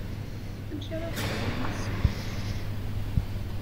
Amek ara teḍru yid-sent?